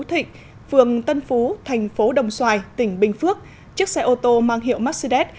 thịnh phường tân phú thành phố đồng xoài tỉnh bình phước chiếc xe ô tô mang hiệu mercedes